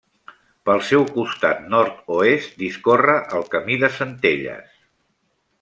Pel seu costat nord-oest discorre el Camí de Centelles.